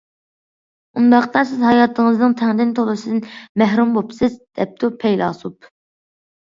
« ئۇنداقتا سىز ھاياتىڭىزنىڭ تەڭدىن تولىسىدىن مەھرۇم بوپسىز» دەپتۇ پەيلاسوپ.